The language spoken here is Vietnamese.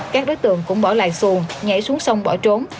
các đối tượng cũng bỏ lại xuồng nhảy xuống sông bỏ trốn